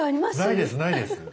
ないですないです。